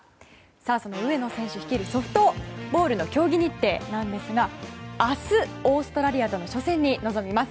その上野選手率いるソフトボールの競技日程なんですが明日、オーストラリアとの初戦に臨みます。